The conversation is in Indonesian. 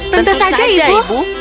tentu saja ibu